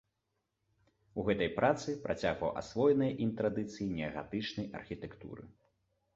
У гэтай працы працягваў асвоеныя ім традыцыі неагатычнай архітэктуры.